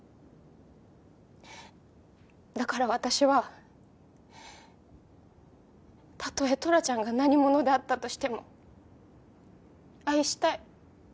だから私はたとえトラちゃんが何者であったとしても愛したい。